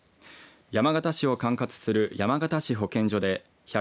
山形市を管轄する山形市保健所で１７４人。